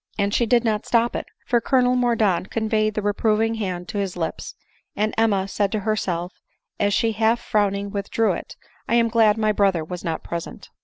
And she did stop it ; for Colonel Mordaunt conveyed the reproving hand to his lips; and Emma said to herself, as she half frowning withdrew it, " I am glad my brother was not present."